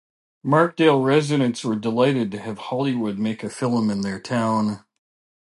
Markdale residents were delighted to have Hollywood make a film in their town.